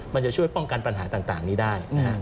มันจะช่วยป้องกันปัญหาต่างนี้ได้